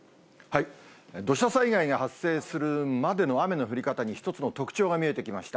土砂災害が発生するまでの雨の降り方に一つの特徴が見えてきました。